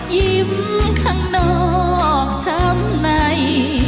ยิ้มข้างนอกช้ำใน